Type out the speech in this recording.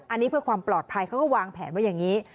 อันนี้เพื่อความปลอดภัยเขาก็วางแผนไว้อย่างนี้